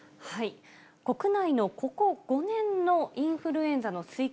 国内のここ５年のインフルエンザの推計